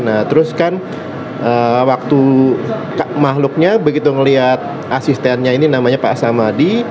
nah terus kan waktu makhluknya begitu ngelihat asistennya ini namanya pak samadi